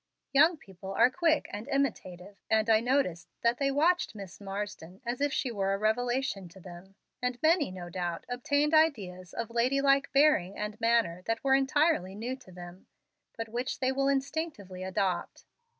Young people are quick and imitative, and I noticed that they watched Miss Marsden as if she were a revelation to them, and many, no doubt, obtained ideas of lady like bearing and manner that were entirely new to them, but which they will instinctively adopt.